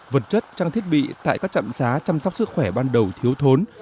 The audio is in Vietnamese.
vật chất trang thiết bị tại các trạm xá chăm sóc sức khỏe ban đầu thiếu thốn